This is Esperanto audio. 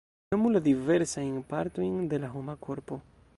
Nomu la diversajn partojn de la homa korpo.